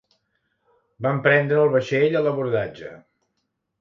Van prendre el vaixell a l'abordatge.